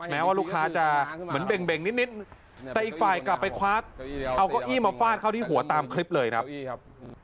แม้ว่าลูกค้าจะเหมือนเบ่งนิดแต่อีกฝ่ายกลับไปคว้าเอาเก้าอี้มาฟาดเข้าที่หัวตามคลิปเลยครับนี่ครับ